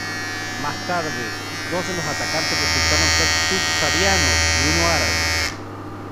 Más tarde, dos de los atacantes resultaron ser subsaharianos y uno árabe.